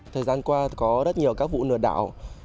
thời gian qua có rất nhiều các vụ lừa đảo